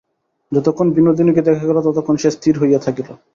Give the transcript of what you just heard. যতক্ষণ বিনোদিনীকে দেখা গেল, ততক্ষণ সে স্থির হইয়া থাকিল।